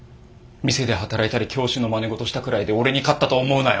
店で働いたり教師のまねごとしたくらいで俺に勝ったと思うなよ。